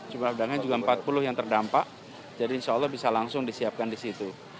jumlah pedagangnya juga empat puluh yang terdampak jadi insya allah bisa langsung disiapkan di situ